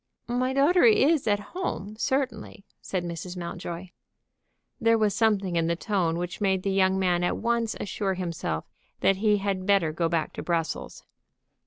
"My daughter is at home, certainly," said Mrs. Mountjoy. There was something in the tone which made the young man at once assure himself that he had better go back to Brussels.